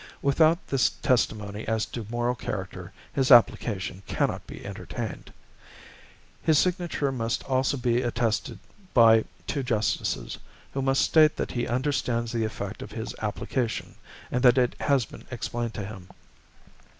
Without this testimony as to moral character his application cannot be entertained. His signature must also be attested by two justices, who must state that he understands the effect of his application, and that it has been explained to him.